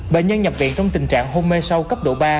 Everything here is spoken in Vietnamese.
bệnh nhân nhập viện trong tình trạng hôn mê sâu cấp độ ba